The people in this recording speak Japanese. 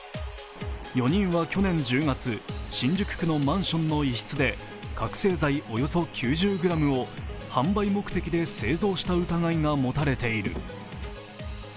４人は去年１０月、新宿区のマンションの一室で覚醒剤およそ９０ｇを販売目的で製造した疑いが持たれている。